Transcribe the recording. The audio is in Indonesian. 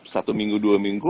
satu minggu dua minggu